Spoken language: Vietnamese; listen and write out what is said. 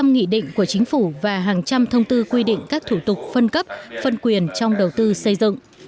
một mươi nghị định của chính phủ và hàng trăm thông tư quy định các thủ tục phân cấp phân quyền trong đầu tư xây dựng